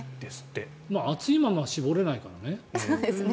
熱いまま絞れないからね。